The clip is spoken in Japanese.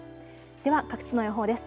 では各地の予報です。